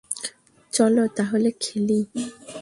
চলো তাহলে খেলি।